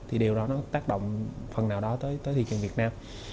thì điều đó nó tác động phần nào đó tới tới thị trường việt nam